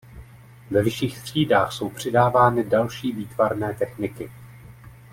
Ve vyšších třídách jsou přidávány další výtvarné techniky.